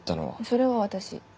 それは私。